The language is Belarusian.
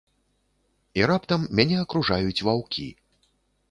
І раптам мяне акружаюць ваўкі.